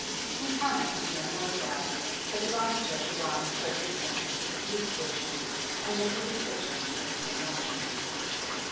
He promised to be on the look out, but advised her to go on a short distance to the police station and leave a description of the missing woman.